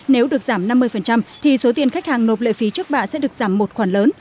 nếu được giảm năm mươi thì số tiền khách hàng nộp lệ phí trước bạ sẽ được giảm một khoản lớn